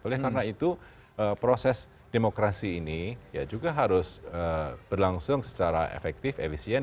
oleh karena itu proses demokrasi ini ya juga harus berlangsung secara efektif efisien